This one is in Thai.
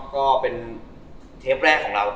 ก็เป็นเทปแรกของเรา